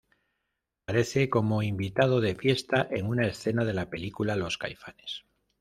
Aparece como invitado de fiesta en una escena de la película Los caifanes.